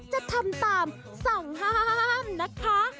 จะทำตามสั่งห้ามนะคะ